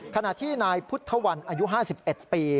ขณะที่นายพุทธวันอายุ๕๑ปี